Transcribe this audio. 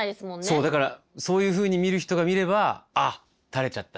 そうだからそういうふうに見る人が見れば「あったれちゃった。